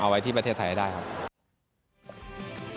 ไว้ที่ประเทศไทยให้ได้ครับ